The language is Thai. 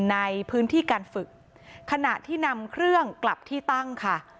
ในพื้นที่การฝึกขณะที่นำเครื่องกลับที่ตั้งค่ะ